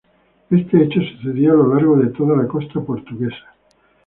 Este hecho sucedía a lo largo de toda la costa portuguesa.